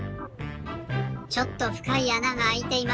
ちょっとふかいあながあいています。